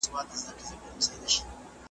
غلامان دي خپل بادار ته ډېروه یې .